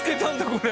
これ。